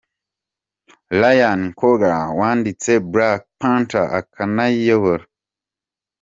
Ryan Coogler wanditse Black Panther akanayiyobora.